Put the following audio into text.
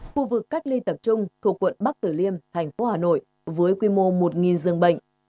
khu vực cách ly tập trung thuộc quận bắc tử liêm thành phố hà nội với quy mô một giường bệnh